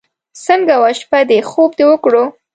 څنګه وه شپه دې؟ خوب دې وکړو.